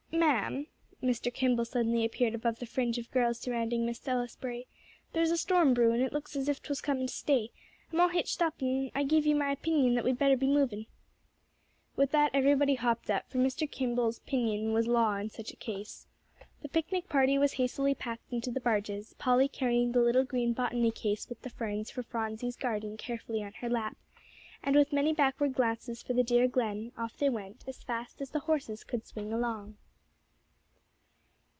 "Ma'am," Mr. Kimball suddenly appeared above the fringe of girls surrounding Miss Salisbury, "there's a storm brewin'; it looks as if 'twas comin' to stay. I'm all hitched up, 'n' I give ye my 'pinion that we'd better be movin'." With that, everybody hopped up, for Mr. Kimball's "'pinion" was law in such a case. The picnic party was hastily packed into the barges, Polly carrying the little green botany case with the ferns for Phronsie's garden carefully on her lap, and with many backward glances for the dear Glen, off they went, as fast as the horses could swing along.